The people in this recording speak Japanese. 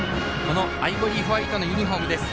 アイボリーホワイトのユニフォームです。